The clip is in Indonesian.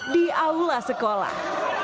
di aula sekolah